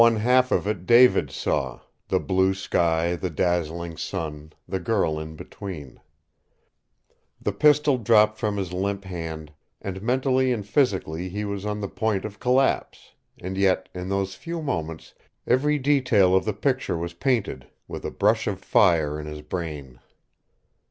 One half of it David saw the blue sky, the dazzling sun, the girl in between. The pistol dropped from his limp hand, and the weight of his body tottered on the crook of his under elbow. Mentally and physically he was on the point of collapse, and yet in those few moments every detail of the picture was painted with a brush of fire in his brain.